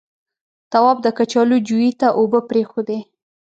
تواب د کچالو جويې ته اوبه پرېښودې.